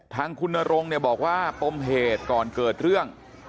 ทางคุณนรงค์เนี่ยบอกว่าปมเหตุก่อนเกิดเรื่อง